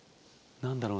何だろう？